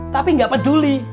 tapi gak peduli